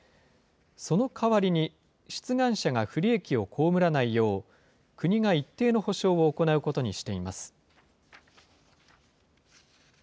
そのかわりに、出願者が不利益を被らないよう、国が一定の補償を行うことにしています。